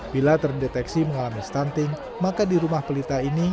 bila terdeteksi mengalami stunting maka di rumah pelita ini